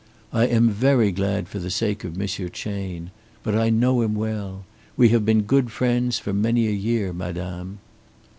"I am very glad for the sake of Monsieur Chayne. But I know him well. We have been good friends for many a year, madame."